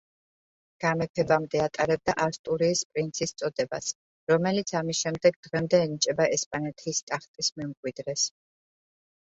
გამეფებამდე ატარებდა ასტურიის პრინცის წოდებას, რომელიც ამის შემდეგ დღემდე ენიჭება ესპანეთის ტახტის მემკვიდრეს.